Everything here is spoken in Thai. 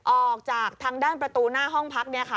ออกจากทางด้านประตูหน้าห้องพัก